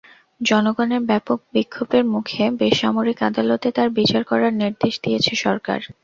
জনগণের ব্যাপক বিক্ষোভের মুখে বেসামরিক আদালতে তাঁর বিচার করার নির্দেশ দিয়েছে সরকার।